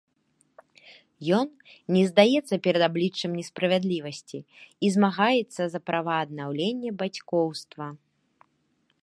Ён не здаецца перад абліччам несправядлівасці і змагаецца за права аднаўлення бацькоўства.